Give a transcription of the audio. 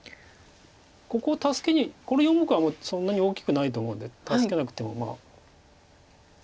ここを助けにこの４目はそんなに大きくないと思うんで助けなくてもまあ。